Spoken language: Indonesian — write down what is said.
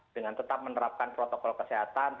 dengan tetap menerapkan protokol kesehatan